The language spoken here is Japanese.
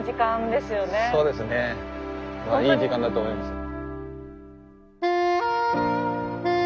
そうですねいい時間だと思いますよ。